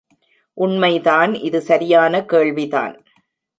உண்மைதான் இது சரியான கேள்விதான்.